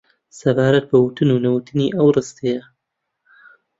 سەبارەت بە وتن و نەوتنی ئەو ڕستەیە